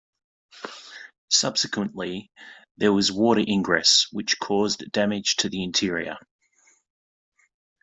Subsequently, there was water ingress, which caused damage to the interior.